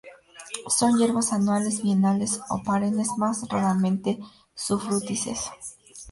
Son hierbas anuales, bienales o perennes, más raramente sufrútices.